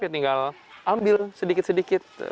tinggal ambil sedikit sedikit